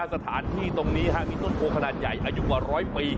สถานที่ตรงนี้มีต้นโพขนาดใหญ่อายุกว่าร้อยปี